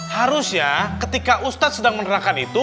harus ya ketika ustadz sedang menerangkan itu